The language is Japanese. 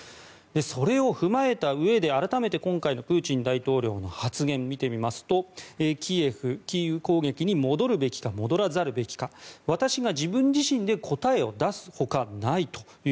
それを踏まえたうえで改めて今回のプーチン大統領の発言を見てみますとキエフ、キーウ攻撃に戻るべきか戻らざるべきか私が自分自身で答えを出すほかないと。